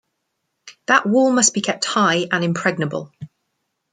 That wall must be kept high and impregnable.